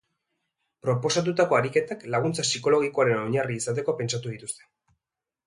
Proposatutako ariketak laguntza psikologikoaren osagarri izateko pentsatu dituzte.